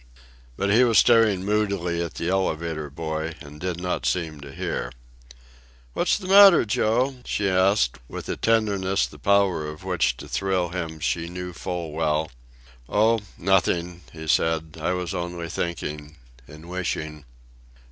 But he was staring moodily at the elevator boy and did not seem to hear. "What's the matter, Joe?" she asked, with a tenderness the power of which to thrill him she knew full well. "Oh, nothing," he said. "I was only thinking and wishing."